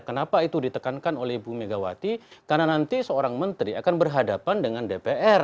kenapa itu ditekankan oleh ibu megawati karena nanti seorang menteri akan berhadapan dengan dpr